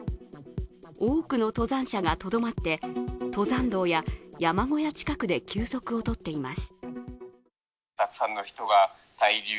多くの登山者がとどまって、登山道や山小屋近くで休息をとっています。